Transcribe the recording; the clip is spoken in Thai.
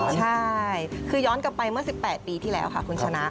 ใช่คือย้อนกลับไปเมื่อ๑๘ปีที่แล้วค่ะคุณชนะ